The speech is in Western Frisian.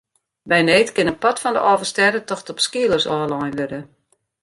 By need kin in part fan de Alvestêdetocht op skeelers ôflein wurde.